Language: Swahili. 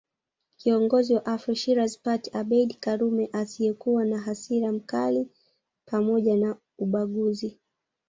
Kiongozi wa Afro Shirazi Party Abeid karume asiyekuwa na hasira mkali pzmoja na ubaguzi